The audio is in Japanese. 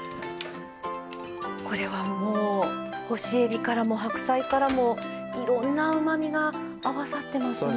これはもう干しえびからも白菜からもいろんなうまみが合わさってますね。